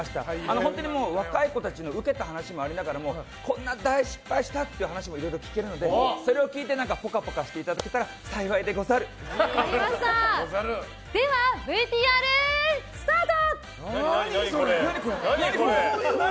本当に若い子たちのウケた話もありながらこんな大失敗したっていう話もいろいろ聞いたのでそれを聞いてぽかぽかしていただけたらＶＴＲスタート！